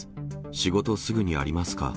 仕事すぐにありますか？